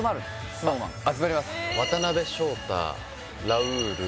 ＳｎｏｗＭａｎあっ集まります渡辺翔太ラウール